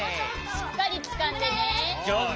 しっかりつかんでね。